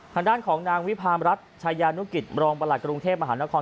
ทางด้านของนางวิพามรัฐชายานุกิจรองประหลัดกรุงเทพมหานคร